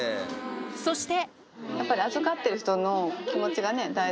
そして。